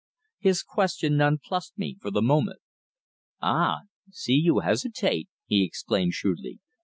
His question non plussed me for the moment. "Ah! I see you hesitate!" he exclaimed, shrewdly.